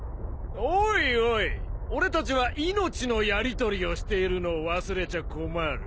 おいおい俺たちは命のやりとりをしているのを忘れちゃ困る。